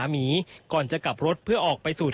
อันนี้คือเต็มร้อยเปอร์เซ็นต์แล้วนะครับ